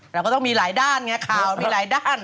เราก็ต้องมีหลายด้านไงข่าวมีหลายด้าน